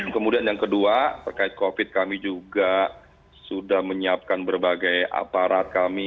kemudian yang kedua terkait covid kami juga sudah menyiapkan berbagai aparat kami